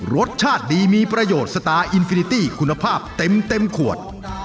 รสชาติดีมีประโยชน์สตาร์อินฟินิตี้คุณภาพเต็มขวด